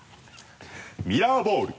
ミラーボール。